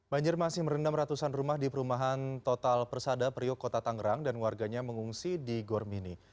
banjir masih merendam ratusan rumah di perumahan total persada priok kota tangerang dan warganya mengungsi di gormini